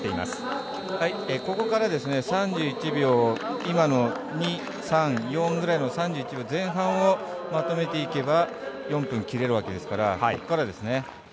ここから３１秒今の２、３、４ぐらいの３１秒前半をまとめていけば４分を切れるわけですからここからですね。